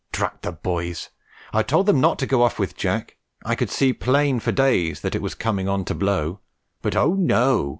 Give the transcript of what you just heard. Drat the boys! I told them not to go off with Jack. I could see plain for days that it was coming on to blow; but oh, no!